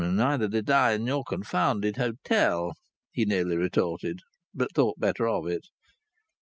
"Neither did I, in your confounded hotel!" he nearly retorted; but thought better of it.